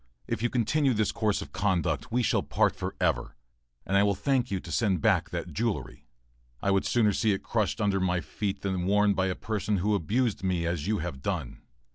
If you continue this course of conduct, we part for ever, and I will thank you to send back that jewelry. I would sooner see it crushed under my feet than worn by a person who abused me as you have done.